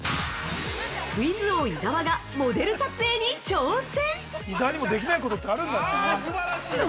◆クイズ王・伊沢がモデル撮影に挑戦！